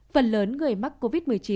phần lớn người mắc covid một mươi chín